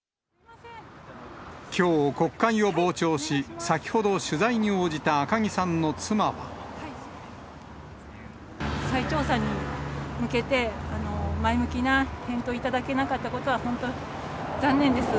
きょう国会を傍聴し、先ほど再調査に向けて、前向きな検討をいただけなかったことは、本当に残念です。